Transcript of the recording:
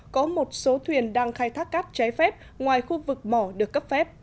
có một số thuyền đang khai thác cát trái phép ngoài khu vực mỏ được cấp phép